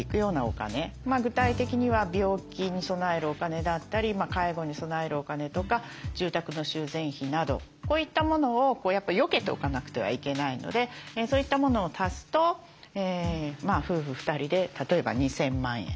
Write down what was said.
具体的には病気に備えるお金だったり介護に備えるお金とか住宅の修繕費などこういったものをよけておかなくてはいけないのでそういったものを足すと夫婦２人で例えば２，０００万円。